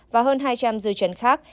và hơn hai trăm linh dư trấn khác